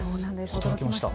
驚きました。